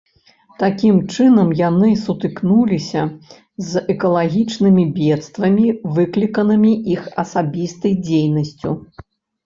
Такім чынам яны сутыкнуліся з экалагічнымі бедствамі, выкліканымі іх асабістай дзейнасцю.